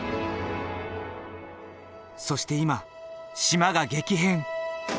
そして今島が激変！